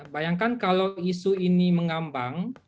bayangkan kalau isu ini mengambang